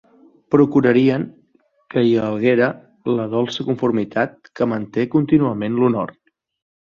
Procurarien que hi haguera la dolça conformitat que manté contínuament l'honor.